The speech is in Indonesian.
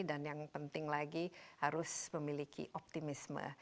dan yang penting lagi harus memiliki optimisme